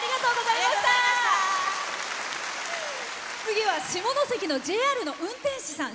次は下関のＪＲの運転士さん。